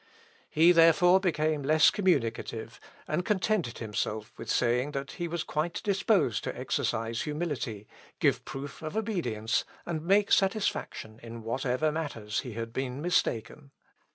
He, therefore, became less communicative, and contented himself with saying that he was quite disposed to exercise humility, give proof of obedience, and make satisfaction in whatever matters he had been mistaken.